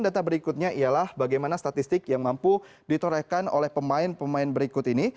data berikutnya ialah bagaimana statistik yang mampu ditorehkan oleh pemain pemain berikut ini